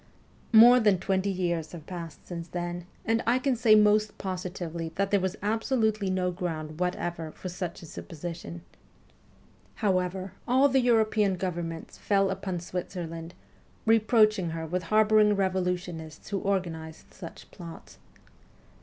More than twenty years have passed since then, and I can say most positively that there was absolutely no ground whatever for such a supposition. However, all the VOL. n. Q 226 MEMOIRS OF A REVOLUTIONIST European governments fell upon Switzerland, reproach ing her with harbouring revolutionists who organized such plots.